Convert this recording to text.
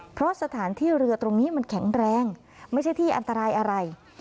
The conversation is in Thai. เพราะสถานที่เรือตรงนี้มันแข็งแรงไม่ใช่ที่อันตรายอะไร